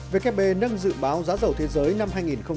vkp nâng dự báo giá giàu thế giới năm hai nghìn một mươi bảy